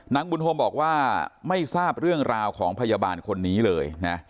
นางบุญโฮมบอกว่าไม่ทราบเรื่องราวของพยาบาลคนนี้เลยนะ